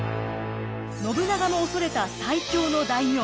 信長も恐れた最強の大名。